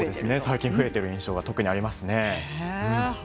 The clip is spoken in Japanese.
最近増えている印象がありますね。